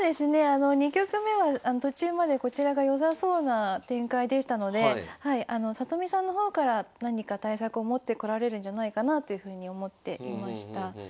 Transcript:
２局目は途中までこちらが良さそうな展開でしたので里見さんの方から何か対策を持ってこられるんじゃないかなというふうに思っていました。